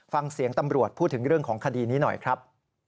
ฟังเสียงตำรวจพูดถึงเรื่องของคดีนี้หน่อยครับ